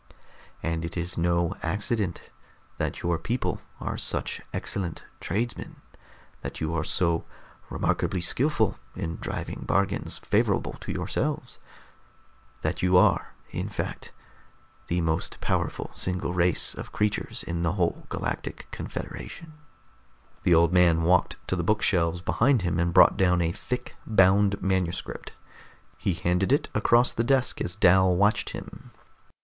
And it is no accident that your people are such excellent tradesmen, that you are so remarkably skillful in driving bargains favorable to yourselves ... that you are in fact the most powerful single race of creatures in the whole Galactic Confederation." The old man walked to the bookshelves behind him and brought down a thick, bound manuscript. He handed it across the desk as Dal watched him.